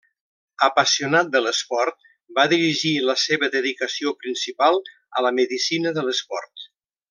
Apassionat de l'esport, va dirigir la seva dedicació principal a la Medicina de l’Esport.